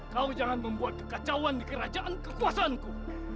kau jangan membuat kekacauan di kerajaan kekuasaanku